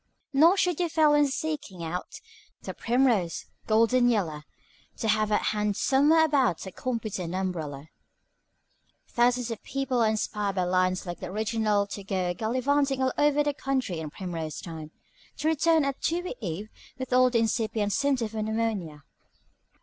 "Nor should you fail when seeking out The primrose, golden yeller, To have at hand somewhere about A competent umbrella. Thousands of people are inspired by lines like the original to go gallivanting all over the country in primrose time, to return at dewy eve with all the incipient symptoms of pneumonia.